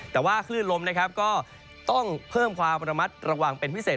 แต่ว่าคลื่นลมนะครับก็ต้องเพิ่มความระมัดระวังเป็นพิเศษ